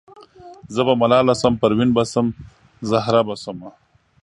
زه به ملاله شم پروین به شم زهره به شمه